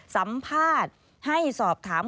สัมภาษณ์ให้สอบถาม